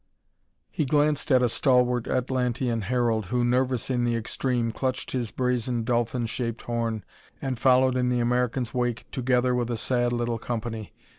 He glanced at a stalwart Atlantean herald who, nervous in the extreme, clutched his brazen, dolphin shaped horn and followed in the American's wake together with a sad little company.